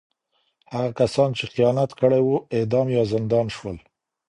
هغه کسان چې خیانت کړی و، اعدام یا زندان شول.